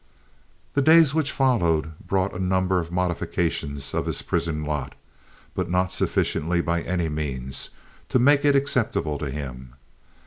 The days which followed brought a number of modifications of his prison lot, but not sufficient by any means to make it acceptable to him.